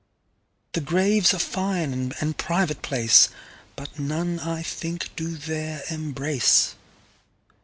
The Grave's a fine and private place, But none I think do there embrace.